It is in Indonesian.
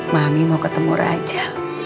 mami mau ketemu raja